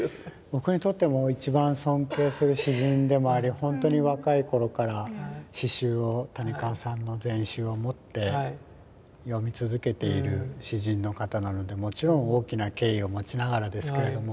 僕にとっても一番尊敬する詩人でもありほんとに若い頃から詩集を谷川さんの全集をもって読み続けている詩人の方なのでもちろん大きな敬意を持ちながらですけれども。